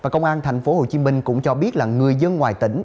công an tp hcm cũng cho biết là người dân ngoài tỉnh